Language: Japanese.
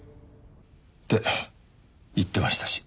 って言ってましたし。